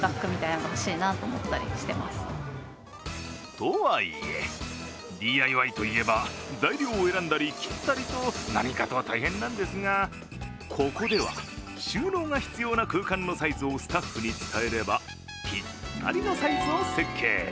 とはいえ、ＤＩＹといえば材料を選んだり切ったりと何かと大変なんですがここでは収納が必要な空間のサイズをスタッフに伝えればぴったりのサイズを設計。